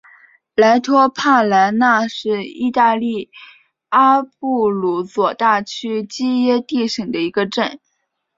莱托帕莱纳是意大利阿布鲁佐大区基耶蒂省的一个镇。